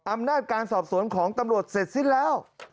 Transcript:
อำนาจการสอบสวนของตำรวจเสร็จสิ้นแล้ว